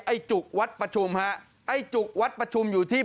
ไอ้จุกวัดประชุมฮะไอ้จุกวัดประชุมอยู่ที่